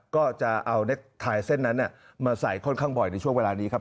ก็จะเอาเน็กไทยเส้นนั้นมาใส่ค่อนข้างบ่อยในช่วงเวลานี้ครับ